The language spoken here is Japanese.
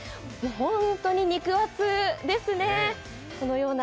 本当に肉厚ですね。